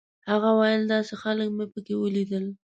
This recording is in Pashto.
هغه ویل داسې خلک مې په کې ولیدل.